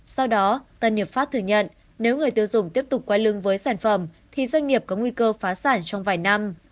sau đó tân hiệp pháp thừa nhận nếu người tiêu dùng tiếp tục quay lưng với sản phẩm thì doanh nghiệp có nguy cơ phá sản trong vài năm